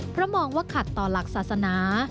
เพราะมองว่าขัดต่อหลักศาสนา